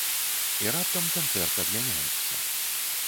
І раптам канцэрт адмяняецца.